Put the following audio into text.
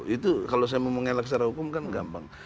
itu kalau saya mau mengelak secara hukum kan gampang